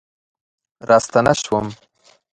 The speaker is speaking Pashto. راستنه شوم